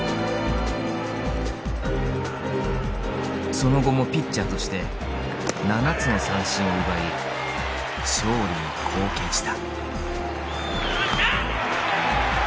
その後もピッチャーとして７つの三振を奪い勝利に貢献した。